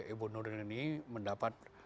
ibu nuril ini mendapat